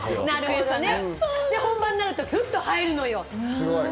で、本番になるとフッて入るのよ。